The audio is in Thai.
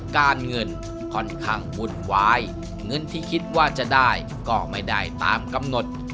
การเงินค่อนข้างวุ่นวายเงินที่คิดว่าจะได้ก็ไม่ได้ตามกำหนด